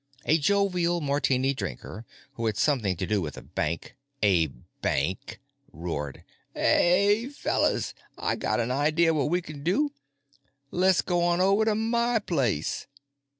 A jovial martini drinker who had something to do with a bank—a bank!—roared, "Hey, fellas! I got a idea what we can do! Less go on over to my place!"